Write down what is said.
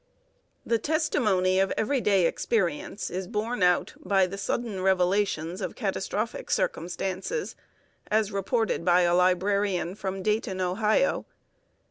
The testimony of everyday experience is borne out by the sudden revelations of catastrophic circumstances, as reported by a librarian from Dayton, Ohio.